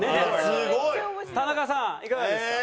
すごい！田中さんいかがですか？